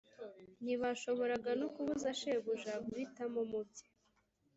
ntibashoboraga no kubuza shebuja guhitamo mu bye.